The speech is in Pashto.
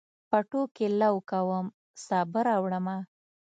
پټو کې لو کوم، سابه راوړمه